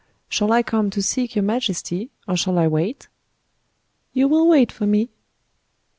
"Shall I come to seek your majesty, or shall I wait?" "You will wait for me."